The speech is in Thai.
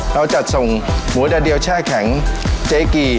เราจะส่งหมูแต่เดียวแช่แข็งเจ๊กี้